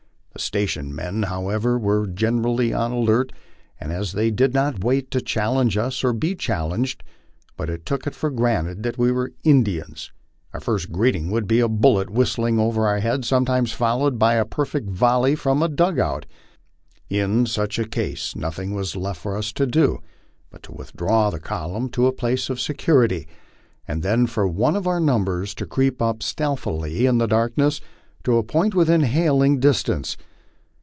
The station men, however, were generally on the alert, and, as they did not wait to challenge us or be challenged, but took it for granted that we were Indians, our first greeting would be a bullet whistling over our heads, sometimes followed by a perfect volley from the " dug out." In such a case nothing was left for us to do but to withdraw the column to a place of security, and then for one of our number to creep up stealthily in the darkness to a point within hailing distance.